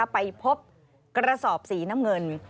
ไปพบกระสอบสีน้ำเงิน